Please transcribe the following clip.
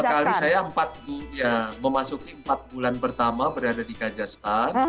pertama kali saya empat bulan ya memasuki empat bulan pertama berada di kajastan